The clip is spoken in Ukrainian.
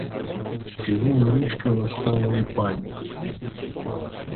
Цілую ручки ласкавої пані!